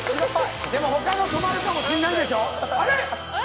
他も埋まるかもしれないでしょ。